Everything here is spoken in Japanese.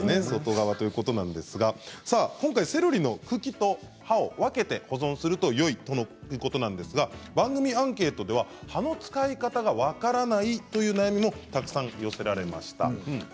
外側ということなんですが、今回セロリの茎と葉を分けて保存するのがよいとのことなんですが番組アンケートでは葉の使い方が分からないという悩みもたくさん寄せられました。